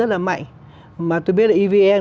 rất là mạnh mà tôi biết là evn